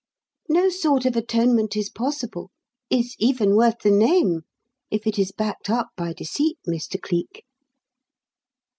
No sort of atonement is possible, is even worth the name, if it is backed up by deceit, Mr. Cleek."